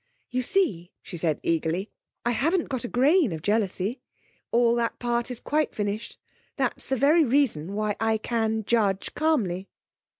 'You see,' she said eagerly, 'I haven't got a grain of jealousy. All that part is quite finished. That's the very reason why I can judge calmly.'